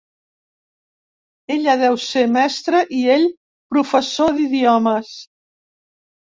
Ella deu ser mestra i ell professor d'idiomes.